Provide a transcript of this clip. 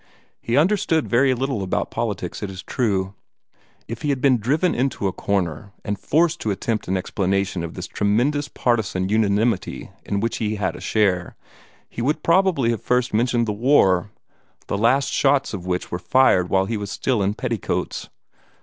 He understood very little about politics, it is true. If he had been driven into a corner, and forced to attempt an explanation of this tremendous partisan unity in which he had a share, he would probably have first mentioned the War the last shots of which were fired while he was still in petticoats.